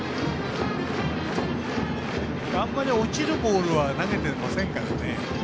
あんまり落ちるボールは投げてませんからね。